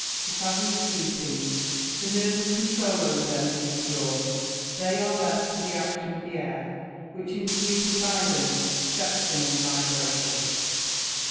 But as in sleeping the nervous controul over them is withdrawn, they are left to the action of the air which, in sweeping by them, sets them in vibration.